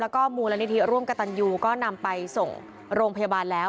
แล้วก็มูลนิธิร่วมกับตันยูก็นำไปส่งโรงพยาบาลแล้ว